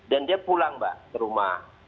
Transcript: dan dia pulang mbak ke rumah